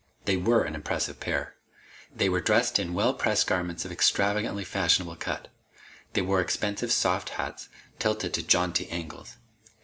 They were an impressive pair. They were dressed in well pressed garments of extravagantly fashionable cut. They wore expensive soft hats, tilted to jaunty angles.